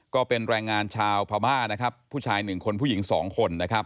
ก็เป็นแรงงานชาวพม่าผู้ชาย๑คนผู้หญิง๒คน